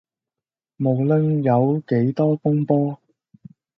無論有幾多風波